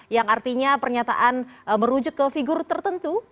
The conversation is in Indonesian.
yang artinya pernyataan merujuk ke figur tertentu